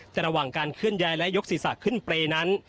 แต่ระหว่างการเคลื่อนย้ายและยกศีรษะขึ้นเปรย์นั้น